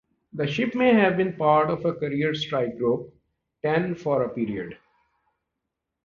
The ship may have been part of Carrier Strike Group Ten for a period.